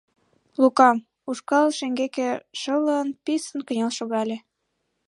Лука, ушкал шеҥгеке шылын, писын кынел шогале.